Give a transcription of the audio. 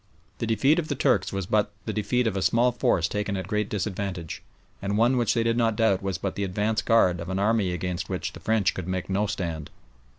The defeat of the Turks was but the defeat of a small force taken at great disadvantage, and one which they did not doubt was but the advance guard of an army against which the French could make no stand.